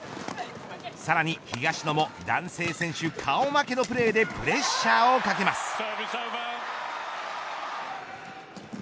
さらに東野も男性選手顔負けのプレーでプレッシャーをかけます。